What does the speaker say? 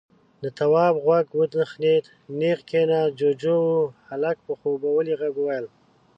د تواب غوږ وتخنېد، نېغ کېناست. جُوجُو و. هلک په خوبولي غږ وويل: